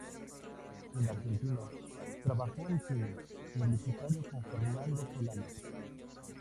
En Argentina trabajó en cine publicitario con Fernando Solanas.